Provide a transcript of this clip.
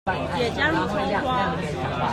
也加入蔥花